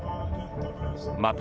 また、